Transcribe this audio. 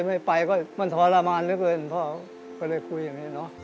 ไม่ไปก็มันทรมานเหลือเกินพ่อก็เลยคุยอย่างนี้เนอะ